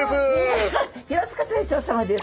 平塚大将さまです。